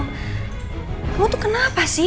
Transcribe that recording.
kamu tuh kenapa sih